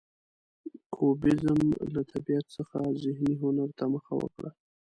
کوبیزم له طبیعت څخه ذهني هنر ته مخه وکړه.